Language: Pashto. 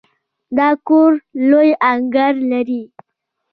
دا کور لوی انګړ لري.